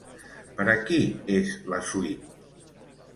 Per a qui és la suite?